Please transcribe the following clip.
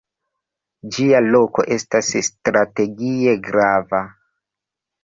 Ĝia loko estas strategie grava.